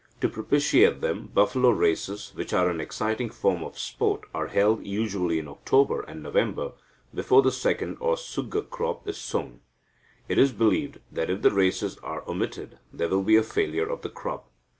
To propitiate them, buffalo races, which are an exciting form of sport, are held, usually in October and November, before the second or sugge crop is sown. It is believed that, if the races are omitted, there will be a failure of the crop.